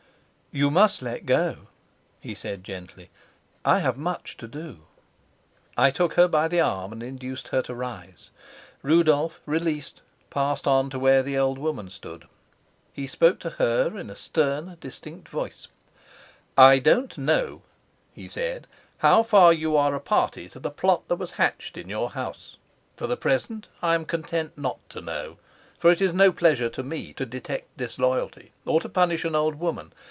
"You must let go," he said gently. "I have much to do." I took her by the arm and induced her to rise. Rudolf, released, passed on to where the old woman stood. He spoke to her in a stern, distinct voice. "I don't know," he said, "how far you are a party to the plot that was hatched in your house. For the present I am content not to know, for it is no pleasure to me to detect disloyalty or to punish an old woman.